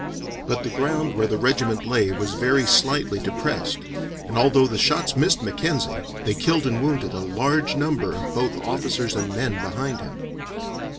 But the ground where the regiment lay was very slightly depressed, and although the shots missed Mackenzie they killed and wounded a large number of both officers and men behind him.